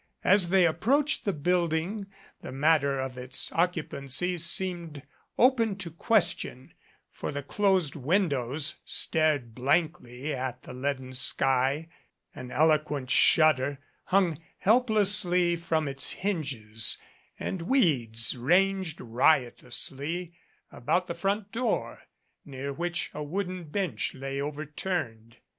As they approached the building the matter of its occupancy seemed open to ques tion, for the closed windows stared blankly at the leaden sky. An eloquent shutter hung helplessly from its hinges and weeds ranged riotously about the front door, near which a wooden bench lay overturned.